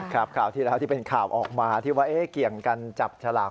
ครับข่าวที่เป็นข่าวออกมาที่ว่าเกี่ยวกันจับฉลาก